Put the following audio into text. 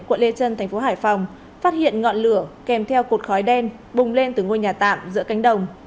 quận lê trân thành phố hải phòng phát hiện ngọn lửa kèm theo cột khói đen bùng lên từ ngôi nhà tạm giữa cánh đồng